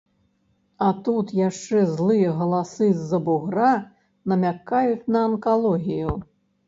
А тут яшчэ злыя галасы з-за бугра намякаюць на анкалогію.